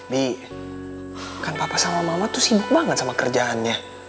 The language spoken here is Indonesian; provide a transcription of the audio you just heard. di kan papa sama mama tuh sibuk banget sama kerjaannya